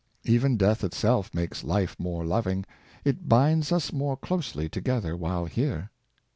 Even death itself makes life more loving; it binds us more closely together while here.